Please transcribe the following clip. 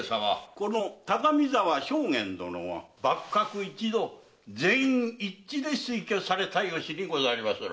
この高見沢将監殿は幕閣一同全員一致で推挙された由にございまする。